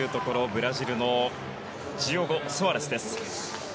ブラジルのジオゴ・ソアレスです。